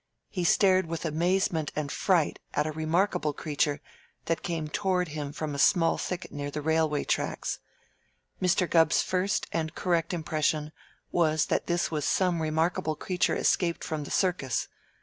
He stared with amazement and fright at a remarkable creature that came toward him from a small thicket near the railway tracks. Mr. Gubb's first and correct impression was that this was some remarkable creature escaped from the circus.